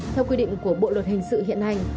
theo quy định của bộ luật hình sự hiện hành